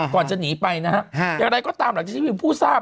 ก่อนจะหนีไปนะฮะอย่างไรก็ตามหลังจากที่มีผู้ทราบ